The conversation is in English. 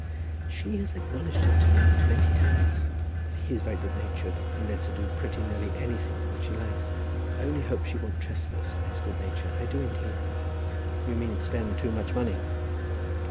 "She has acknowledged it to me, twenty times. But he is very good natured, and lets her do pretty nearly anything that she likes. I only hope she won't trespass on his good nature. I do, indeed." "You mean, spend too much money?"